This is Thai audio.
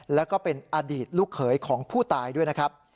แล้วก็เป็นอดีตลูกเขยของผู้ตายด้วยนะครับ